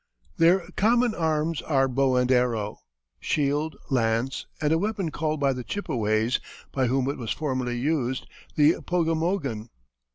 Their common arms are bow and arrow, shield, lance, and a weapon called by the Chippeways, by whom it was formerly used, the poggamoggon.